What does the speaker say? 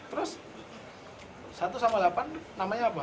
terus satu sama delapan namanya apa